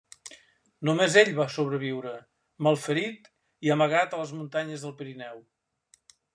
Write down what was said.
Només ell va sobreviure, malferit i amagat a les muntanyes del Pirineu.